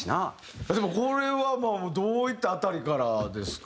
でもこれはどういった辺りからですか？